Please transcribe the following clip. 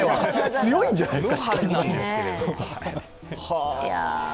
強いんじゃないですか。